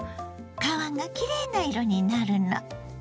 皮がきれいな色になるの。